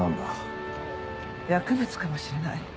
薬物かもしれない。